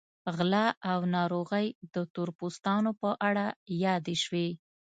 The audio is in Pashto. غلا او ناروغۍ د تور پوستانو په اړه یادې شوې.